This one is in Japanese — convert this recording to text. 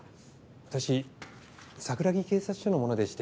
私桜木警察署の者でして。